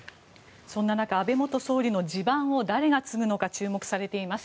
そんな中、安倍元総理の地盤を誰が継ぐか注目されています。